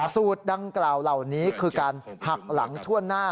สูตรดังกล่าวเหล่านี้คือการหักหลังทั่วหน้า